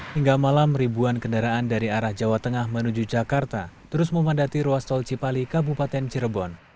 hingga malam ribuan kendaraan dari arah jawa tengah menuju jakarta terus memandati ruas tol cipali kabupaten cirebon